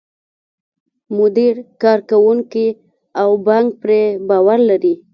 مدیر، کارکوونکي او بانک پرې باور لري.